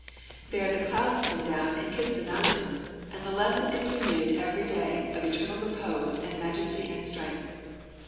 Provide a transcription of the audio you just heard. There the clouds come down and kiss the mountains, and the lesson is renewed every day of eternal repose and majesty and strength.